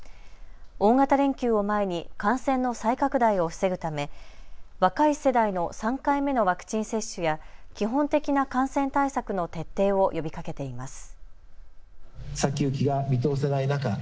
大型連休を前に感染の再拡大を防ぐため若い世代の３回目のワクチン接種や基本的な感染対策の徹底を呼びかけています。